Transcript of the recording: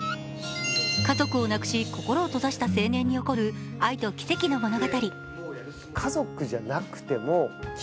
家族をなくし、心を閉ざした青年に起こる愛と奇跡の物語。